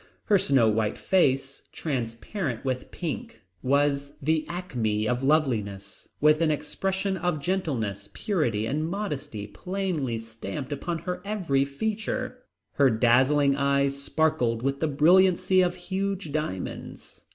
Her snow white face, transparent with pink, was the acme of loveliness, with an expression of gentleness, purity and modesty plainly stamped upon every feature. Her dazzling eyes sparkled with the brilliancy of huge diamonds.